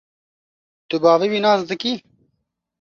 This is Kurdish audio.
Tu bavê wî nas dikî?